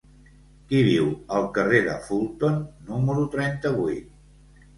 Qui viu al carrer de Fulton número trenta-vuit?